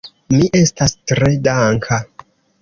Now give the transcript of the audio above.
Mi estas tre danka.